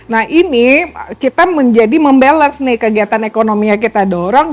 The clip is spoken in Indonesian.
nah ini kita menjadi membalas nih kegiatan ekonomi yang kita dorong